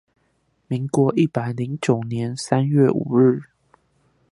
民國一百零九年三月五日